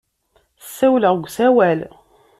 Ssawleɣ deg usawal.